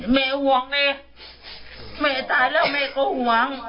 แม่หวังเองแม่ตายแล้วแม่ก็หวัง